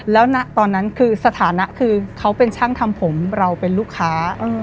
แล้วตอนนั้นคือสถานะคือเขาเป็นช่างทำผมเราเป็นลูกค้า